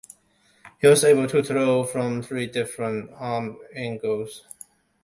He was able to throw from three different arm angles.